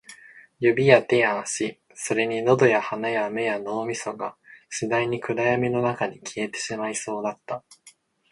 指や手や足、それに喉や鼻や目や脳みそが、次第に暗闇の中に消えてしまいそうだった